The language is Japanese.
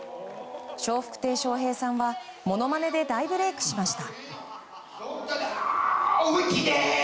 笑福亭笑瓶さんはものまねで大ブレークしました。